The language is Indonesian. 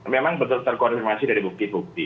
memang betul terkonfirmasi dari bukti bukti